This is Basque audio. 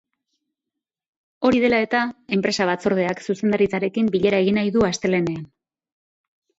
Hori dela eta, enpresa batzordeak zuzendaritzarekin bilera egin nahi du astelehenean.